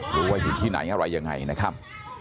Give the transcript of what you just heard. อยู่ที่ไหนอะไรยังไงนะครับ